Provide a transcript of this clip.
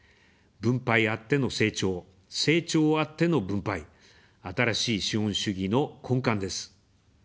分配あっての成長、成長あっての分配、「新しい資本主義」の根幹です。